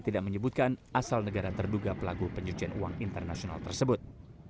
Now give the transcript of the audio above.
tidak menyebutkan asal negara terduga pelaku pencucian uang internasional tersebut